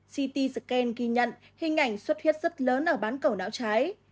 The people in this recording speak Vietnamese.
ct scan ghi nhận hình ảnh xuất huyết rất lớn ở bán cầu não trái